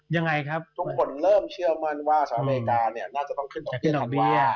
ยังไงครับทุกคนเริ่มเชื่อมั่นว่าสหรัฐอเมริกาเนี่ยน่าจะต้องขึ้นของประเทศอาเซีย